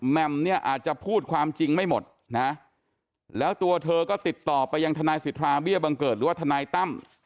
มเนี่ยอาจจะพูดความจริงไม่หมดนะแล้วตัวเธอก็ติดต่อไปยังทนายสิทธาเบี้ยบังเกิดหรือว่าทนายตั้ม